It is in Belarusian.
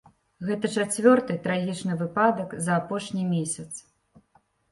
Гэта чацвёрты трагічны выпадак за апошні месяц.